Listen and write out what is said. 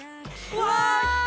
うわ！